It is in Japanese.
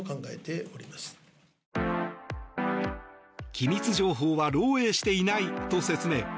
機密情報は漏えいしていないと説明。